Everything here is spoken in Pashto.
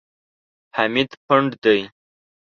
حمید پنډ دی.